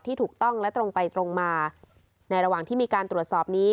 ถูกต้องและตรงไปตรงมาในระหว่างที่มีการตรวจสอบนี้